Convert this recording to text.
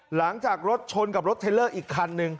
หลังจากรถชนกับรถเทลเลอร์อีกคันหนึ่ง